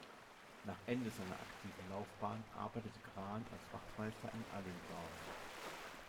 Nach Ende seiner aktiven Laufbahn arbeitete Grahn als Wachtmeister in Alingsås.